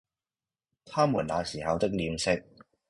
他們那時候的臉色，